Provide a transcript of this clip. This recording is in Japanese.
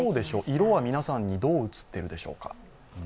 色は皆さんにどう映っているでしょうか。